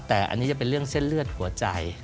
แต่อันนี้จะเป็นเรื่องเส้นเลือดหัวใจ